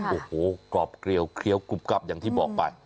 โอ้โหกรอบเกลียวเคี้ยวกรุบกรับอย่างที่บอกไป